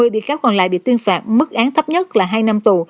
một mươi bị cáo còn lại bị tuyên phạt mức án thấp nhất là hai năm tù